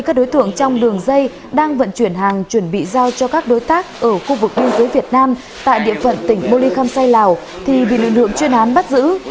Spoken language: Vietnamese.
các đối tượng trong đường dây đang vận chuyển hàng chuẩn bị giao cho các đối tác ở khu vực biên giới việt nam tại địa phận tỉnh bô ly khâm say lào thì bị lực lượng chuyên án bắt giữ